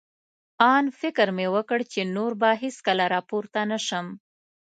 آن فکر مې وکړ، چې نور به هېڅکله را پورته نه شم.